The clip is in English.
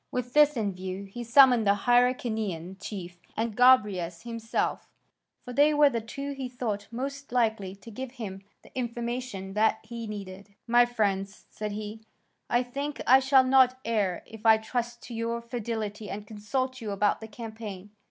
With this in view, he summoned the Hyrcanian chief and Gobryas himself; for they were the two he thought most likely to give him the information that he needed. "My friends," said he, "I think I shall not err if I trust to your fidelity and consult you about the campaign.